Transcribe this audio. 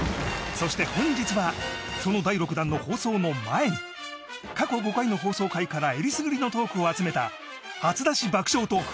そして本日はその第６弾の放送の前に過去５回の放送回からえりすぐりのトークを集めた初出し爆笑トーク